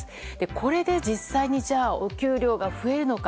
これで実際にお給料が増えるのか。